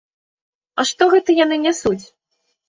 А што гэта яны нясуць?